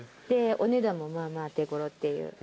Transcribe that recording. でお値段もまあまあ手頃っていう。